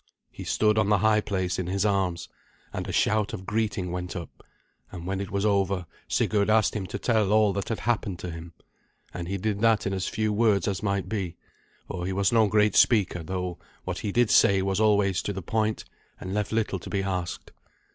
He stood on the high place in his arms, and a shout of greeting went up; and when it was over, Sigurd asked him to tell all that had happened to him; and he did that in as few words as might be, for he was no great speaker, though what he did say was always to the point, and left little to be asked.